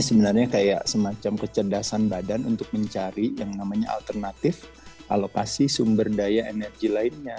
sebenarnya kayak semacam kecerdasan badan untuk mencari yang namanya alternatif alokasi sumber daya energi lainnya